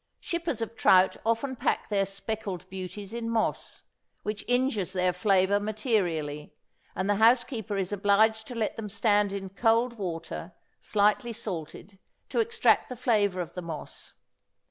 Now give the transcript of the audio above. Shippers of trout often pack their speckled beauties in moss, which injures their flavor materially; and the housekeeper is obliged to let them stand in cold water, slightly salted, to extract the flavor of the moss.